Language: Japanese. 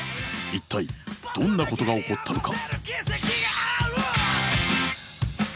一体どんなことが起こったのか？